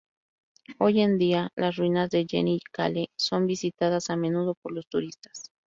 Hoy en día las ruinas de Yeni-Kale son visitadas a menudo por los turistas.